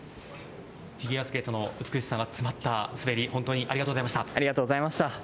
フィギュアスケートの美しさが詰まった滑り、ありがとうございました。